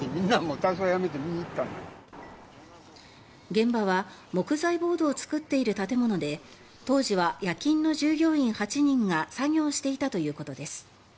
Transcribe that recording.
現場は木材ボードを作っている建物で当時は夜勤の従業員８人が作業していたということです。